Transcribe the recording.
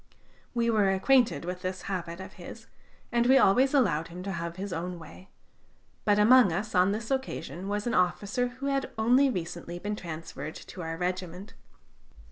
We were acquainted with this habit of his, and we always allowed him to have his own way; but among us on this occasion was an officer who had only recently been transferred to our regiment.